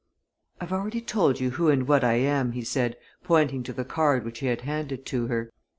"I've already told you who and what I am," he said, pointing to the card which he had handed to her.